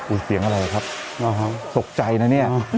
อุ๊ยเสียงอะไรครับอ๋อฮะตกใจนะเนี่ย